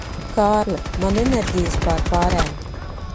Kārli, man enerģijas pārpārēm.